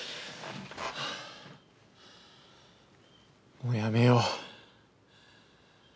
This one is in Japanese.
もうやめよう。